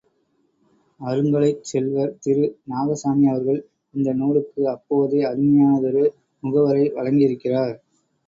அருங்கலைச் செல்வர் திரு, நாகசாமி அவர்கள், இந்த நூலுக்கு அப்போதே அருமையானதொரு முகவுரை வழங்கியிருக்கிறார்.